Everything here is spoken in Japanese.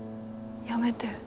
やめて。